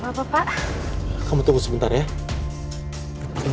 hai kamu tunggu sebentar ya kau mau cek dulu